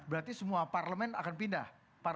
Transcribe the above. berarti semua parlemen akan pindah